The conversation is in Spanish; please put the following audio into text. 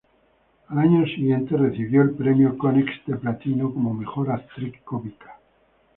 Al año siguiente recibió el premio Konex de Platino como mejor actriz cómica.